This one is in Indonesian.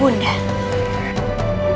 ibu sedang menjelaskan selasi